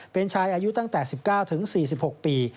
เป็นชายอายุตั้งแต่๑๙๔๖ปี